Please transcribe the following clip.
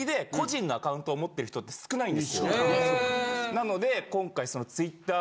なので今回その。